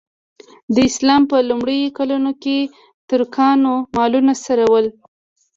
د اسلام په لومړیو کلونو کې ترکانو مالونه څرول.